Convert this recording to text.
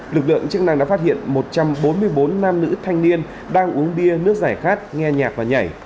lực lượng chức năng đã phát hiện một trăm bốn mươi bốn nam nữ thanh niên đang uống bia nước giải khát nghe nhạc và nhảy